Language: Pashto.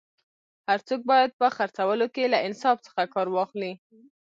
هر څوک باید په خرڅولو کي له انصاف څخه کار واخلي